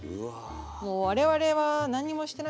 もう我々は何にもしてないですからね。